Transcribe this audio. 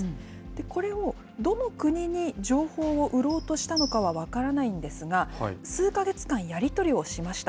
これをどの国に情報を売ろうとしたのかは分からないんですが、数か月間やり取りをしました。